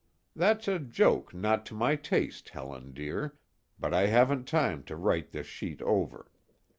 That's a joke not to my taste, Helen dear, but I haven't time to write this sheet over.